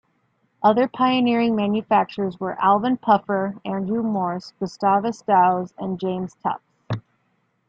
Other pioneering manufacturers were Alvin Puffer, Andrew Morse, Gustavus Dows, and James Tufts.